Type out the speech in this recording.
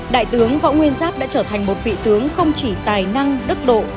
đại tướng võ nguyên giáp đã trở thành một vị tướng không chỉ tài năng đức độ